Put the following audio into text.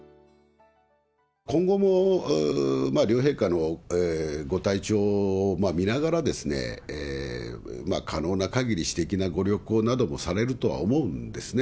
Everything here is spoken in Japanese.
今後も両陛下のご体調を見ながらですね、可能なかぎり、私的なご旅行などもされるとは思うんですね。